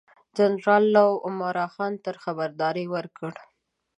جنرال لو عمرا خان ته خبرداری ورکړ.